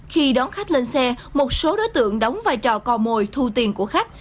khi đón khách lên xe một số đối tượng đóng vai trò cò mồi thu tiền của khách